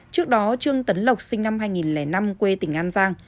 trước đó trương tấn lộc sinh năm hai nghìn năm quê tỉnh an giang